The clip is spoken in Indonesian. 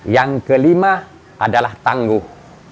yang kelima adalah tangguh